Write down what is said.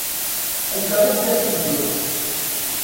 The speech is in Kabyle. Akka i tella tmeddurt!